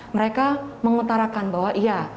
mereka mengutarakan bahwa iya